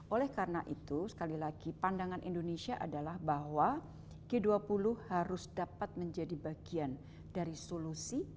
oleh karena itu sekali lagi pandangan indonesia adalah bahwa g dua puluh harus dapat menjadi bagian dari solusi